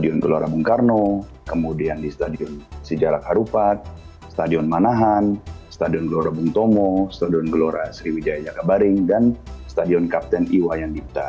di stadion keluarga bung karno kemudian di stadion sejarah harupat stadion manahan stadion keluarga bung tomo stadion keluarga sriwijaya kabaring dan stadion kapten iwa yang dipta